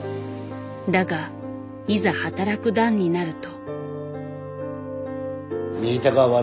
だがいざ働く段になると。